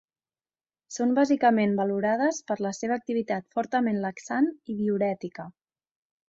Són bàsicament valorades per la seva activitat fortament laxant i diürètica.